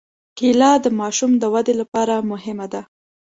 کېله د ماشوم د ودې لپاره مهمه ده.